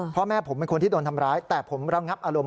พ่อแม่ผมเป็นคนที่โดนทำร้ายแต่ผมระงับอารมณ